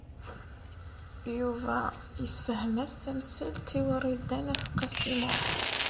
Yuba yessefhem-as tamsalt i Wrida n At Qasi Muḥ.